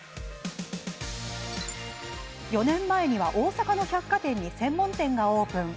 ４年前には、大阪の百貨店に専門店がオープン。